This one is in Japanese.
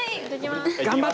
頑張って！